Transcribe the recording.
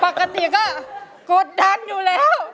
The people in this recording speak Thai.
ปกติก็กดดันอยู่แล้ว